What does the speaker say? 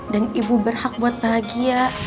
dan ibu berhak buat bahagia